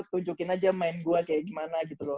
tunjukin aja main gua kayak gimana gitu loh